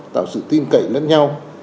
tạo sự tin cậy lẫn nhau